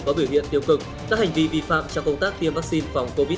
có biểu hiện tiêu cực các hành vi vi phạm trong công tác tiêm vaccine phòng covid một mươi chín